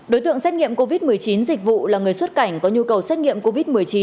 đối tượng xét nghiệm covid một mươi chín dịch vụ là người xuất cảnh có nhu cầu xét nghiệm covid một mươi chín